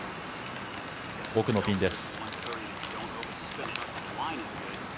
奥のピンです。